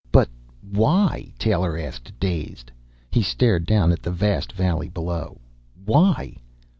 "But why?" Taylor asked, dazed. He stared down at the vast valley below. "Why?"